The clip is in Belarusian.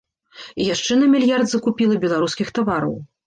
І яшчэ на мільярд закупіла беларускіх тавараў.